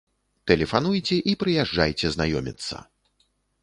Тэлефануйце і прыязджайце знаёміцца!